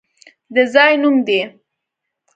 د ځای نوم دی!